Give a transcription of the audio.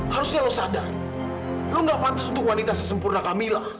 harusnya lo sadar lo gak pantas untuk wanita sesempurna kamilah